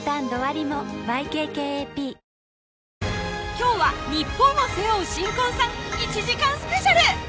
今日は「ニッポンを背負う新婚さん１時間スペシャル」